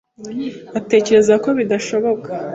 atekereza ko bidashoboka.